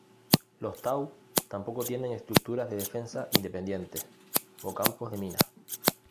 Los Tau tampoco tienen estructuras de defensa independientes o campos de minas.